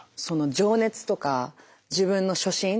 その情熱とか自分の初心。